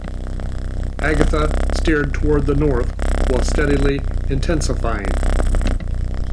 Agatha steered toward the north while steadily intensifying.